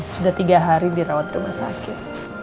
sudah tiga hari dirawat di rumah sakit